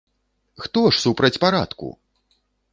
Хто ж супраць парадку?!